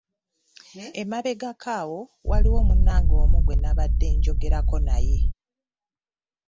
Emabegako awo waliwo munnange omu gwe nabadde njogerako naye.